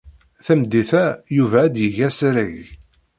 Tameddit-a, Yuba ad d-yeg asarag.